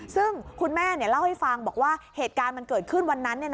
ซึ่งคุณแม่เล่าให้ฟังบอกว่าเหตุการณ์มันเกิดขึ้นวันนั้น